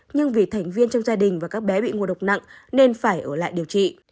nhưng vì thành viên trong gia đình và các bé bị ngộ độc nặng nên phải ở lại điều trị